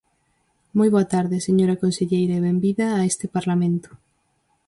Moi boa tarde, señora conselleira, e benvida a este Parlamento.